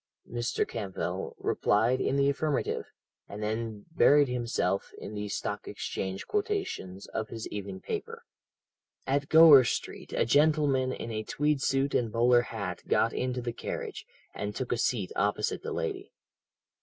Mr. Campbell replied in the affirmative, and then buried himself in the Stock Exchange quotations of his evening paper. "At Gower Street, a gentleman in a tweed suit and bowler hat got into the carriage, and took a seat opposite the lady.